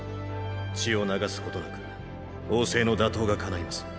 血を流すことなく王政の打倒が叶います。